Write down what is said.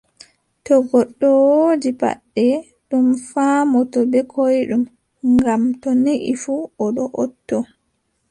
To goɗɗo woodi paɗɗe, ɗum faamotoo bee koyɗum, ngam to neei fuu, o do"otoo,